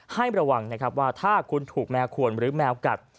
ให้ระวังว่าถ้าคุณถูกแมวขวนหรือแมวกัด